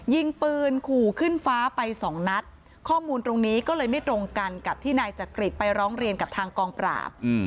ยิงปืนขู่ขึ้นฟ้าไปสองนัดข้อมูลตรงนี้ก็เลยไม่ตรงกันกับที่นายจักริตไปร้องเรียนกับทางกองปราบ